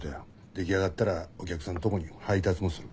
出来上がったらお客さんとこに配達もする。